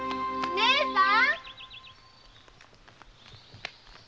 姉さん。